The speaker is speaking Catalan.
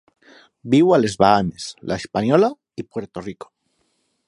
Viu a les Bahames, la Hispaniola i Puerto Rico.